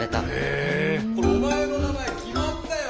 これお前の名前決まったよ！